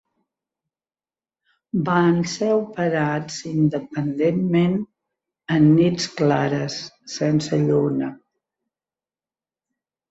Van ser operats independentment en nits clares sense lluna.